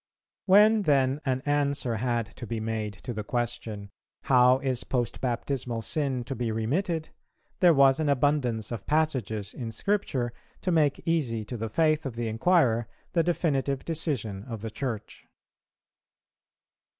When then an answer had to be made to the question, how is post baptismal sin to be remitted, there was an abundance of passages in Scripture to make easy to the faith of the inquirer the definitive decision of the Church.